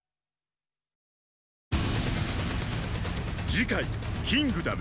次回「キングダム」